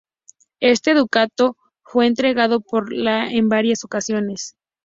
Este ducado fue entregado por la en varias ocasiones.